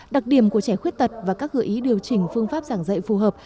đặc điểm của trẻ khuyết tật và các gợi ý điều chỉnh phương pháp giảng dạy phù hợp